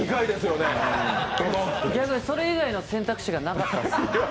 それ以外の選択肢がなかったです。